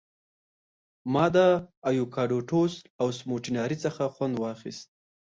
ما د ایوکاډو ټوسټ او سموټي ناري څخه خوند واخیست.